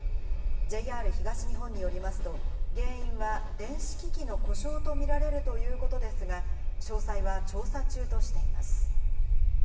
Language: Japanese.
ＪＲ東日本によりますと、原因は電子機器の故障と見られるということですが、詳細は調査中としています。